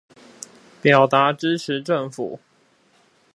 表達支持政府